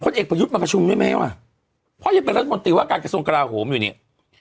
เอกประยุทธ์มาประชุมด้วยไหมว่ะเพราะยังเป็นรัฐมนตรีว่าการกระทรวงกราโหมอยู่เนี่ย